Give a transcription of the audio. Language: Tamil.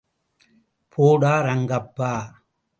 போடா ரங்கப்பா!